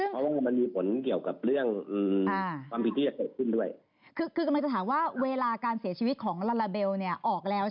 เพราะคนนี้มีผลเกี่ยวกับเรื่องความพิเที่ยข์ใหม่ขึ้นด้วย